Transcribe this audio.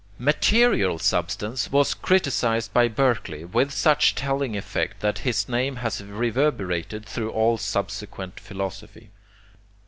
MATERIAL SUBSTANCE was criticized by Berkeley with such telling effect that his name has reverberated through all subsequent philosophy.